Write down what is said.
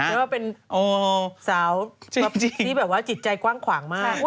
หมายถึงว่าเป็นสาวที่แบบว่าจิตใจกว้างขวางมาก